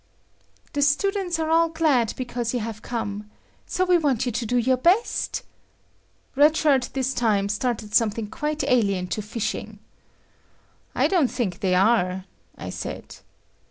"The students are all glad because you have come. So we want you do your best." Red Shirt this time started something quite alien to fishing. "I don't think they are," I said.